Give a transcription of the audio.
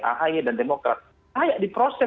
ahy dan demokrat kayak diproses